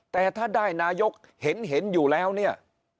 แต่ถ้าได้นายกเห็นอยู่แล้วเนี่ย